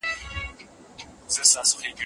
په پارک کې کثافات مه اچوئ.